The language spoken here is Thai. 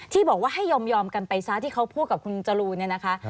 ที่บอกว่าให้ยอมกันไปซะที่เขาพูดกับคุณจรูนเนี่ยนะคะ